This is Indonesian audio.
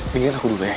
dengerin aku dulu ya